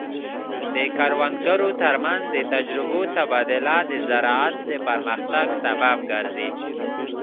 د کروندګرو ترمنځ د تجربو تبادله د زراعت د پرمختګ سبب ګرځي.